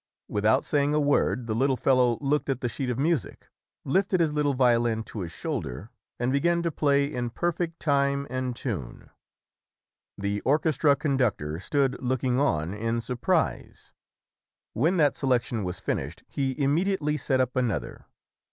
Without saying a word the little fellow 128 ] UNSUNG HEROES looked at the sheet of music, lifted his little violin to his shoulder and began to play in perfect time and tune. The orchestra conductor stood looking on in surprise. When that selection was finished, he immediately set up another.